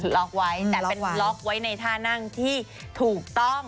ล็อกไว้แต่เป็นล็อกไว้ในท่านั่งที่ถูกต้อง